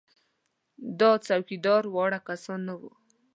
دا څوکیداران واړه کسان نه وو.